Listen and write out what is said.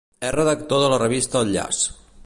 És redactor de la revista El Llaç.